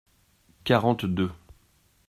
Quarante-deux.